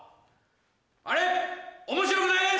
あれ面白くないです！